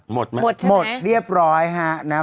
หมดมั้ยหมดใช่ไหมหมดเรียบร้อยฮะ